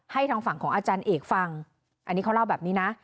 ทางฝั่งของอาจารย์เอกฟังอันนี้เขาเล่าแบบนี้นะ